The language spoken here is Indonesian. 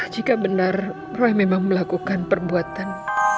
jika benar roh memang melakukan perbuatan